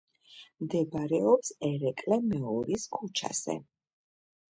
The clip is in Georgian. მდებარეობს ერეკლე მეორის ქუჩაზე.